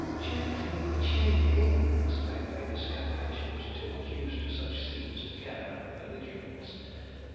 'Gently with the cheney!' exclaimed Lady Scattercash, who was too much used to such scenes to care about the belligerents.